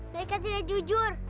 mereka tidak jujur